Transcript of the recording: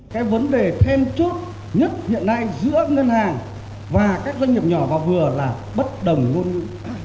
cái vấn đề thêm chốt nhất hiện nay giữa ngân hàng và các doanh nghiệp nhỏ và vừa là bất đồng luôn luôn